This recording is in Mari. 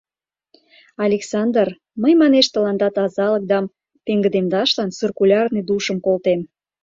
— Александр, мый, — манеш, — тыланда тазалыкдам пеҥгыдемдашлан циркулярный душым колтем!